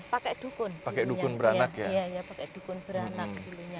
pakai dukun pakai dukun beranak ya iya pakai dukun beranak